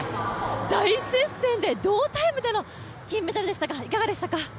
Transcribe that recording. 大接戦で、同タイムでの金メダルでしたがいかがでしたか？